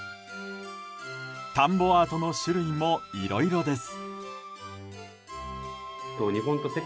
田んぼアートの種類もいろいろです。